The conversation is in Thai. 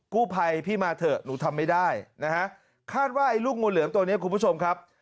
กู้ภัยพี่มาเถอะหนูทำไม่ได้นะฮะคาดว่าไอ้ลูกงูเหลือมตัวนี้คุณผู้ชมครับ